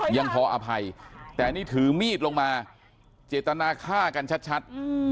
ยังพออภัยแต่นี่ถือมีดลงมาเจตนาฆ่ากันชัด